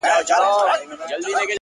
د خدای لاسونه ښکلوم ورته لاسونه نيسم;